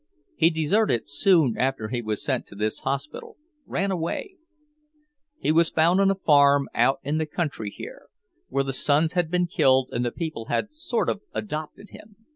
He deserted soon after he was sent to this hospital, ran away. He was found on a farm out in the country here, where the sons had been killed and the people had sort of adopted him.